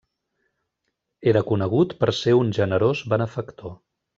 Era conegut per ser un generós benefactor.